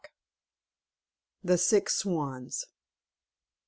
THE SIX SWANS.